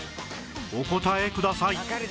お答えください